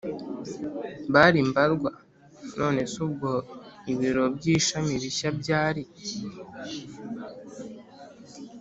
Bari mbarwa none se ubwo ibiro by ishami bishya byari